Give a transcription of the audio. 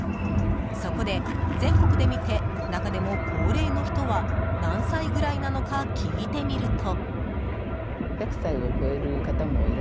そこで、全国で見て中でも高齢の人は何歳ぐらいなのか聞いてみると。